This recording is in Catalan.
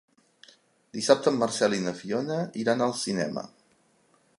Dissabte en Marcel i na Fiona iran al cinema.